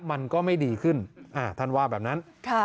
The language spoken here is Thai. มันก็ไม่ดีขึ้นท่านว่าแบบนั้น